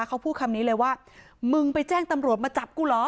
เขาพูดคำนี้เลยว่ามึงไปแจ้งตำรวจมาจับกูเหรอ